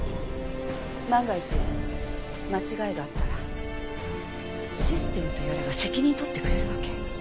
万が一間違いがあったらシステムとやらが責任取ってくれるわけ？